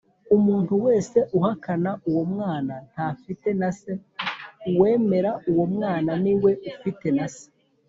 Umuntu wese uhakana uwo Mwana ntafite na Se, uwemera uwo mwana ni we ufite na Se